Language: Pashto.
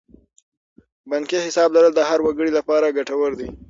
بانکي حساب لرل د هر وګړي لپاره ګټور دی.